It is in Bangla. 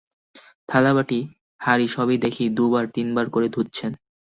থালা, বাটি, হাঁড়ি সবই দেখি দু বার তিন বার করে ধুচ্ছেন।